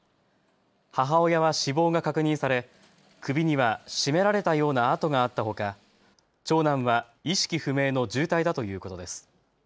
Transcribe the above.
母親は死亡が確認され首には絞められたような痕があったほか、長男は意識不明の重体だということです。